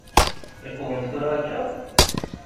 Iqwem tura akka?